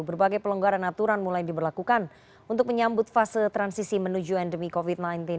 berbagai pelonggaran aturan mulai diberlakukan untuk menyambut fase transisi menuju endemi covid sembilan belas